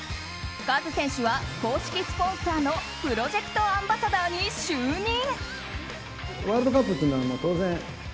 カズ選手は公式スポンサーのプロジェクトアンバサダーに就任。